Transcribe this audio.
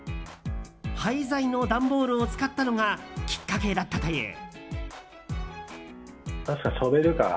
廃材の段ボールを使ったのがきっかけだったという。